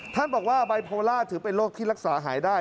ท่านบอกว่าไบโพล่าถือเป็นโรคที่รักษาหายได้